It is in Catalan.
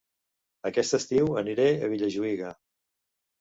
Aquest estiu aniré a Vilajuïga